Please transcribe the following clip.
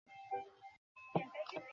অন্যদের কষ্টের কথা শুনতে পছন্দ করেন?